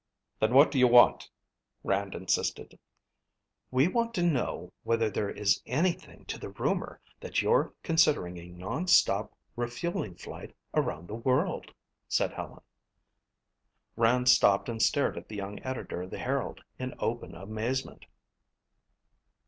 "Then what do you want?" Rand insisted. "We want to know whether there is anything to the rumor that you're considering a non stop refueling flight around the world," said Helen. Rand stopped and stared at the young editor of the Herald in open amazement.